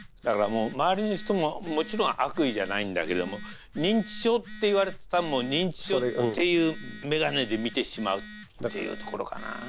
だからもう周りの人ももちろん悪意じゃないんだけども認知症って言われたら認知症っていう眼鏡で見てしまうっていうところかな。